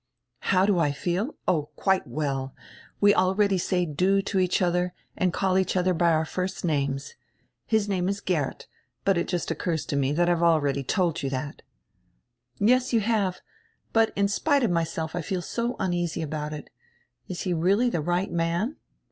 "How do I feel? O, quite well. We already say 'Du' to each odier and call each odier by our first names. His name is Geert, but it just occurs to me diat I have already told you diat." "Yes, you have. But in spite of myself I feel so uneasy about it. Is he really die right man?"